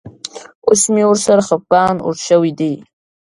اوس مې ورسره خپګان اوږد شوی دی.